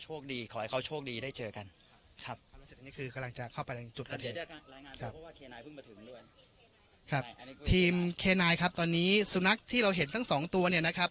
โชคดีขอให้เขาโชคดีได้เจอกันครับแล้วเสร็จที่นี่คือกำลังจะเข้าไปใน